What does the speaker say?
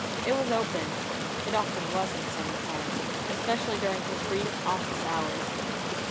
It was open; it often was in summer time, especially during his brief office hours.